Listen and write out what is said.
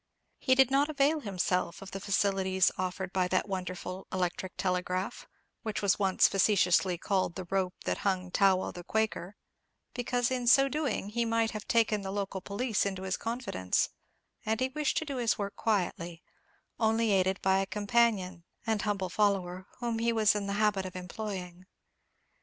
He did not avail himself of the facilities offered by that wonderful electric telegraph, which was once facetiously called the rope that hung Tawell the Quaker, because in so doing he must have taken the local police into his confidence, and he wished to do his work quietly, only aided by a companion and humble follower, whom he was in the habit of employing.